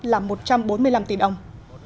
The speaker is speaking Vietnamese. là một trăm bốn mươi năm tỷ đồng